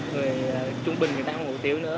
người trung bình người ta có ăn hủ tiếu nữa